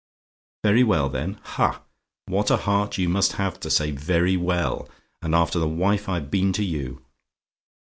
"VERY WELL, THEN? "Ha! what a heart you must have, to say 'very well'; and after the wife I've been to you.